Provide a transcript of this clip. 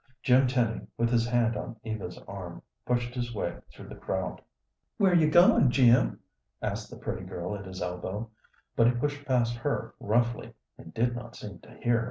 Jim Tenny, with his hand on Eva's arm, pushed his way through the crowd. "Where you goin', Jim?" asked the pretty girl at his elbow, but he pushed past her roughly, and did not seem to hear.